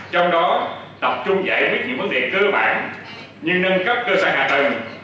trong đó tập trung giải quyết những vấn đề cơ bản như nâng cấp cơ sở hạ tầng